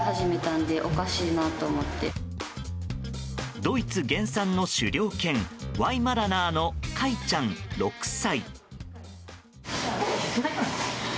ドイツ原産の狩猟犬ワイマラナーの海ちゃん、６歳。